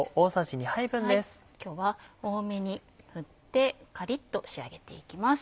今日は多めに振ってカリっと仕上げていきます。